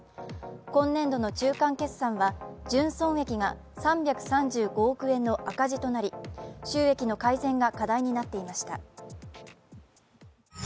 今年度の中間決算は純損益が３３５億円の赤字となり収益の改善が課題になっていました。